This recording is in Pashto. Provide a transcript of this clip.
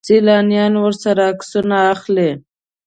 سیلانیان ورسره عکسونه اخلي.